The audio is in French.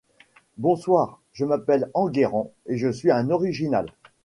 Bonsoir, je m’appelle Enguerrand, et je suis un Original.